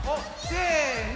せの！